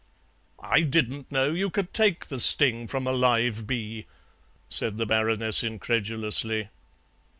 "I didn't know you could take the sting from a live bee," said the Baroness incredulously.